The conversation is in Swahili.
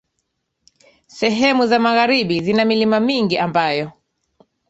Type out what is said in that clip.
Sehemu za magharibi zina milima mingi ambayo